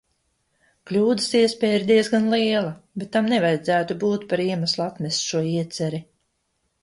Kļūdas iespēja ir diezgan liela, bet tam nevajadzētu būt par iemeslu atmest šo ieceri.